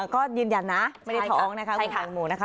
ก็ยืนยันนะไม่ได้ท้องนะคะคุณแตงโมนะคะ